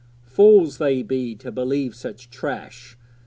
Fools they be to believe such trash!